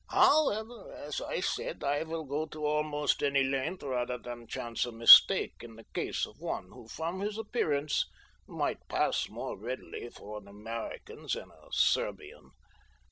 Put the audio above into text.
"However, as I have said, I will go to almost any length rather than chance a mistake in the case of one who from his appearance might pass more readily for an American than a Serbian.